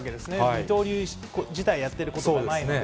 二刀流自体、やってることじゃないので。